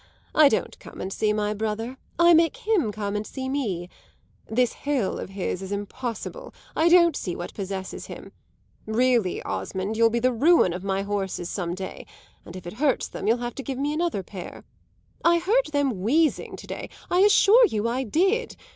I don't come and see my brother I make him come and see me. This hill of his is impossible I don't see what possesses him. Really, Osmond, you'll be the ruin of my horses some day, and if it hurts them you'll have to give me another pair. I heard them wheezing to day; I assure you I did.